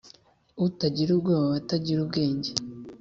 Utagira ubwoba aba atagra ubwenge.